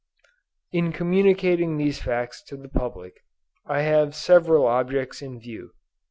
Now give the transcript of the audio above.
In communicating these facts to the public, I have several objects in view.